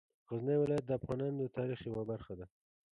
غزني ولایت د افغانانو د تاریخ یوه برخه ده.